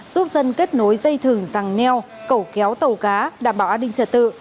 giúp dân kết nối dây thừng răng neo cẩu kéo tàu cá đảm bảo an ninh trật tự